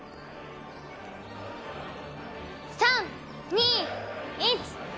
３・２・１。